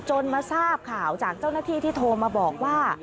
มาทราบข่าวจากเจ้าหน้าที่ที่โทรมาบอกว่า